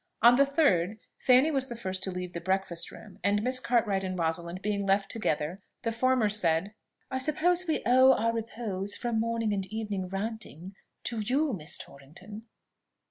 On the third, Fanny was the first to leave the breakfast room; and Miss Cartwright and Rosalind being left together, the former said, "I suppose we owe our repose from morning and evening ranting to you, Miss Torrington?"